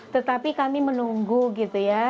tetapi kami menunggu gitu ya